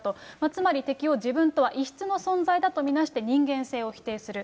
つまり敵を自分とは異質の存在だとみなして人間性を否定する。